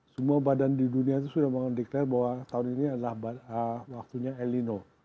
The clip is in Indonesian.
semua badan di dunia itu sudah mengadakan bahwa tahun ini adalah waktunya elino